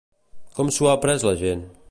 Com s'ho ha pres la gent?